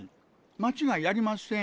間違いありません。